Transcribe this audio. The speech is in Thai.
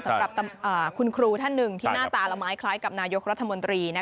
สำหรับคุณครูท่านหนึ่งที่หน้าตาละไม้คล้ายกับนายกรัฐมนตรี